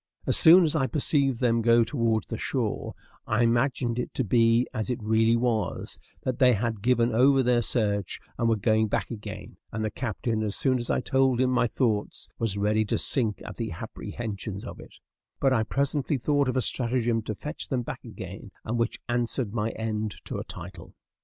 As soon as I perceived them go towards the shore, I imagined it to be as it really was, that they had given over their search, and were going back again, and the captain, as soon as I told him my thoughts, was ready to sink at the apprehensions of it; but I presently thought of a stratagem to fetch them back again, and which answered my end to a title.